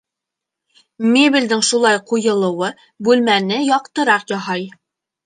Мебелдең шулай ҡуйылыуы бүлмәне яҡтыраҡ яһай